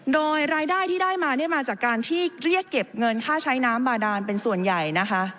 โดยรายได้ที่ได้มาเนี่ยมาจากการที่เรียกเก็บเงินค่าใช้น้ำบาดานเป็นส่วนใหญ่นะคะ